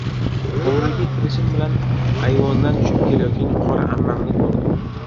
Hovliga kirishim bilan ayvondan tushib kelayotgan «Qora ammam»ni ko‘rdim.